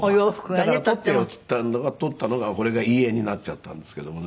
だから「撮ってよ」って言ったのが撮ったのがこれが遺影になっちゃったんですけどもね。